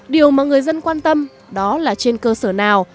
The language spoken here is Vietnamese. điều mà người dân quan tâm đó là trên cơ sở nào